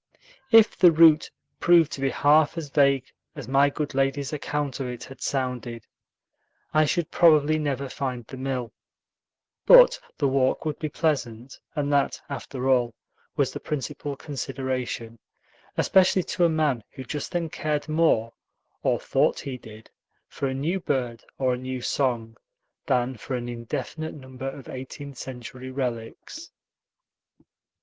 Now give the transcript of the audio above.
If the route proved to be half as vague as my good lady's account of it had sounded, I should probably never find the mill; but the walk would be pleasant, and that, after all, was the principal consideration, especially to a man who just then cared more, or thought he did, for a new bird or a new song than for an indefinite number of eighteenth century relics.